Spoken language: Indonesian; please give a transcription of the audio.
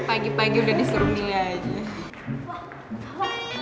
pagi pagi udah disuruh milih aja